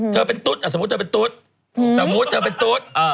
เจอเป็นตุ๊ดสมมุติเจอเป็นตุ๊ด